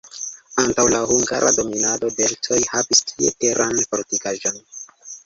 Antaŭ la hungara dominado keltoj havis tie teran fortikaĵon.